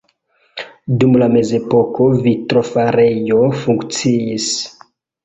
Dum la mezepoko vitrofarejo funkciis.